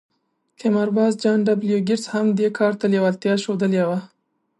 قمارباز جان ډبلیو ګیټس هم دې کار ته لېوالتیا ښوولې وه